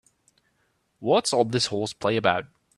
What's all this horseplay about?